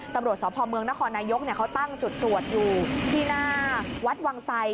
ตำรวจสพเมืองนครนายกเขาตั้งจุดตรวจอยู่ที่หน้าวัดวังไส